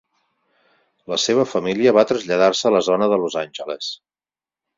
La seva família va traslladar-se a la zona de Los Angeles.